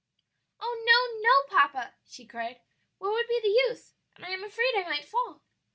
"Oh no, no, papa!" she cried, "what would be the use? and I am afraid I might fall."